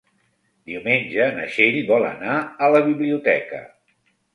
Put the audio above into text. Diumenge na Txell vol anar a la biblioteca.